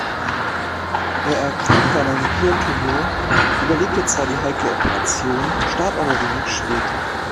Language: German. Er erkrankte an einem Hirntumor, überlebte zwar die heikle Operation, starb aber wenig später.